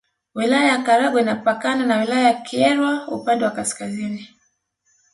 Wilaya ya Karagwe inapakana na Wilaya ya Kyerwa upande wa Kaskazini